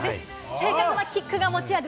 正確なキックが持ち味。